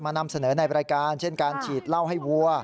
นำเสนอในรายการเช่นการฉีดเหล้าให้วัว